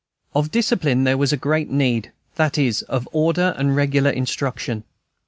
Of discipline there was great need, that is, of order and regular instruction.